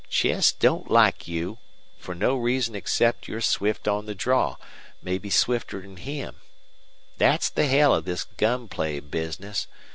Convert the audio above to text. Chess don't like you, fer no reason except you're swift on the draw mebbe swifter 'n him. Thet's the hell of this gun play business.